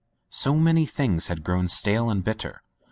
So many things had grown stale and bitter.